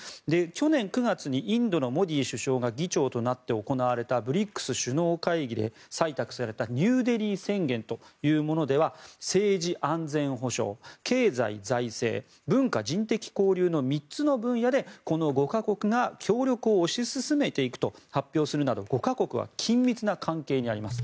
去年９月にインドのモディ首相が議長となって行われたＢＲＩＣＳ首脳会議で採択されたニューデリー宣言というものでは政治・安全保障、経済・財政文化・人的交流の３つの分野でこの５か国が協力を推し進めていくと発表するなど５か国は緊密な関係にあります。